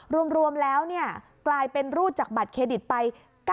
รวมแล้วกลายเป็นรูดจากบัตรเครดิตไป